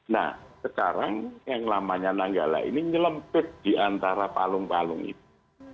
nah sekarang yang namanya nanggala ini nyelempit di antara palung palung itu